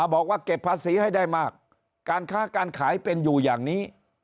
บอกว่าเก็บภาษีให้ได้มากการค้าการขายเป็นอยู่อย่างนี้